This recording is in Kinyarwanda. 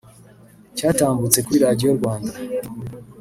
cyatambutse kuri Radio Rwanda